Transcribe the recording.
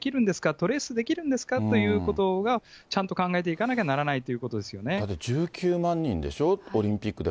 トレースできるんですか？ということが、ちゃんと考えていかなき１９万人でしょ、オリンピックで。